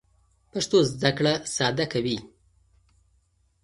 پښتو زده کړه ساده کوي.